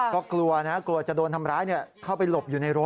ก็กลัวนะกลัวจะโดนทำร้ายเข้าไปหลบอยู่ในรถ